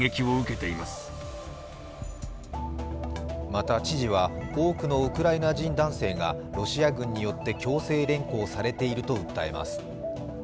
また知事は多くのウクライナ人男性がロシア軍によって強制連行されていると訴えます。